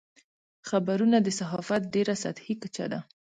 خبرونه د صحافت ډېره سطحي کچه ده.